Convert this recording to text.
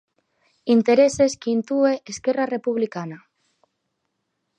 Intereses que intúe Esquerra Republicana...